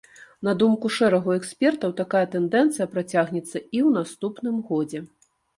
На думку шэрагу экспертаў, такая тэндэнцыя працягнецца і ў наступным годзе.